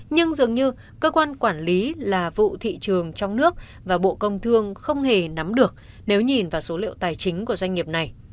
nhưng dường như cơ quan quản lý là vụ thị trường trong nước và bộ công thương không hề nắm được nếu nhìn vào số liệu tài chính của doanh nghiệp này